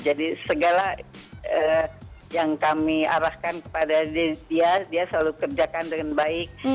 segala yang kami arahkan kepada dia dia selalu kerjakan dengan baik